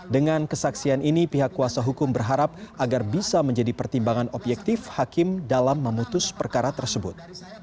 dengan kesaksian ini pihak kuasa hukum berharap agar bisa menjadi pertimbangan objektif hakim dalam memutus perkara tersebut